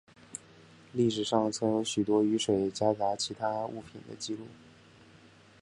历史上曾有许多雨水夹杂其他物品的记录。